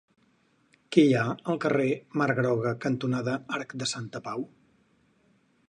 Què hi ha al carrer Mar Groga cantonada Arc de Sant Pau?